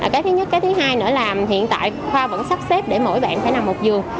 cái thứ nhất cái thứ hai nữa là hiện tại khoa vẫn sắp xếp để mỗi bạn phải nằm một giường